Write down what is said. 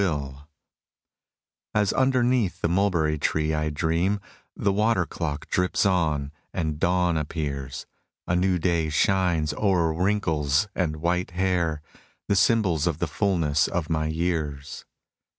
INDIAN INFLUENCE 33 As underneath the mulberry tree I dream, The water olook drips on, and dawn appears: A new day shines o'er wrinkles and white hair, The symbols of the fulness of my years.